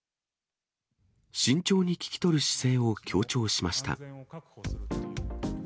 慎重に聞き取る姿勢を強調しました。